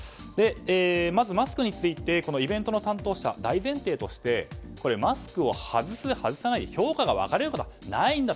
まず、マスクについてイベントの担当者大前提としてマスクを外す、外さないで評価が分かれることはないんだと。